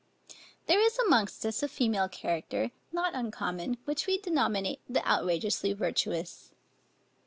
There is amongst us a female character, not uncommon, which we denominate the outrageously virtuous.